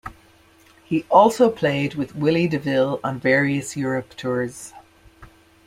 He also played with Willy DeVille on various Europe tours.